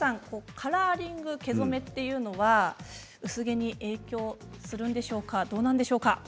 カラーリング、毛染めというのは薄毛に影響するんでしょうか。